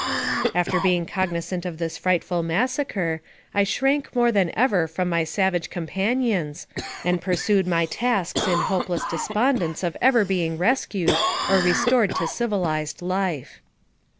After being cognizant of this frightful massacre, I shrank more than ever from my savage companions, and pursued my tasks in hopeless despondence of ever being rescued or restored to civilized life.